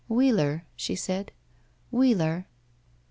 "Wheeler?" she said. "Wheeler?"